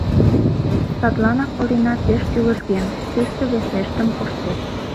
Садланак Орина пеш тӱлыжген, тӱсшӧ весештын коштеш.